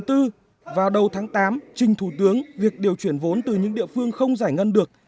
đầu tư vào đầu tháng tám trinh thủ tướng việc điều chuyển vốn từ những địa phương không giải ngăn được